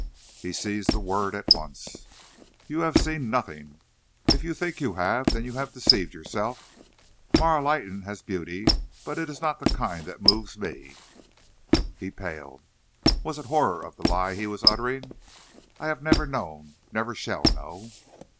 "He seized the word at once. "'You have seen nothing. If you think you have, then have you deceived yourself. Marah Leighton has beauty, but it is not a kind that moves me ' "He paled. Was it horror of the lie he was uttering? I have never known, never shall know.